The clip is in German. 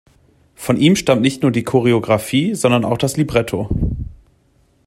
Von ihm stammt nicht nur die Choreografie, sondern auch das Libretto.